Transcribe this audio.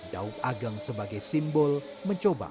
daup ageng sebagai simbol mencoba